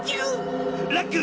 ラック！